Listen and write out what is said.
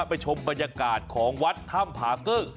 ไปชมบรรยากาศของวัดถ้ำผาเกิ้ง